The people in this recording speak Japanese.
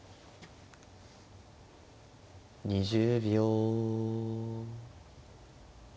２０秒。